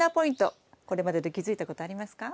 これまでで気付いたことありますか？